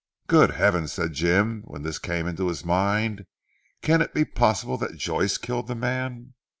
"Good Heavens!" said Jim when this came into his mind, "can it be possible that Joyce killed the man?